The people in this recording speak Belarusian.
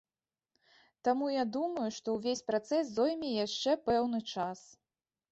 Таму я думаю, што ўвесь працэс зойме яшчэ пэўны час.